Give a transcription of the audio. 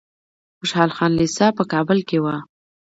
خوشحال خان لیسه په کابل کې وه.